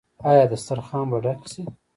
آیا دسترخان به ډک شي؟